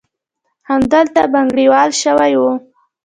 همدلته بنګړیواله شوې وه.